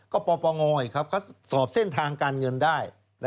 ก็ประปอง่ออีกครับเขาสอบเส้นทางการเงินได้